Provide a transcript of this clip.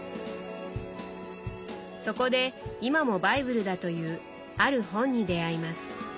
そこで今もバイブルだというある本に出会います。